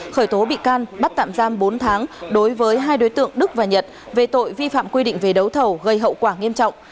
khởi tố bị can bắt tạm giam bốn tháng đối với hai đối tượng đức và nhật về tội vi phạm quy định về đấu thầu gây hậu quả nghiêm trọng